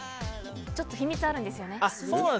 ちょっと秘密あるんですよね？